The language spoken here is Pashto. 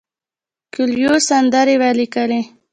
کویلیو سندرې ولیکلې.